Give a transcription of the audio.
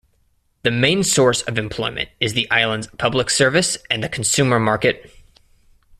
The main source of employment is the island's public service and the consumer market.